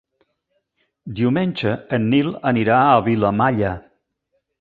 Diumenge en Nil anirà a Vilamalla.